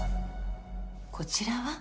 こちらは？